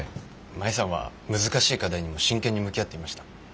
舞さんは難しい課題にも真剣に向き合っていました。